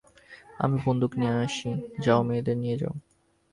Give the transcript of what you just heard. আমি বন্দুক নিয়ে আসি যাও মেয়েদের নিয়ে যাও।